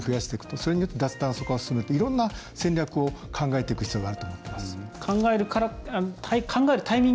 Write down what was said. それによって脱炭素化を進めていろんな戦略を進めていく必要があると思います。